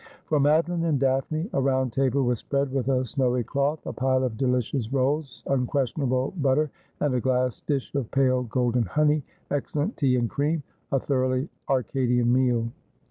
For Madoline and Daphne a round table was spread with a snowy cloth, a pile of delicious rolls, unquestionable butter, and a glass dish of pale golden honey, excellent tea, and cream — a thoroughly Arcadian meal.